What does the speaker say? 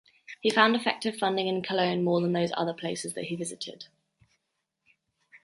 He found effective funding in Cologne more than those other places that he visited.